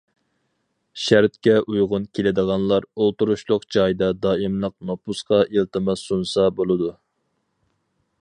شەرتكە ئۇيغۇن كېلىدىغانلار ئولتۇرۇشلۇق جايدا دائىملىق نوپۇسقا ئىلتىماس سۇنسا بولىدۇ.